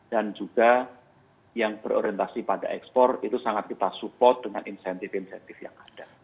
dan juga yang berorientasi pada ekspor itu sangat kita support dengan insentif insentif yang ada